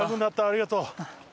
ありがとう。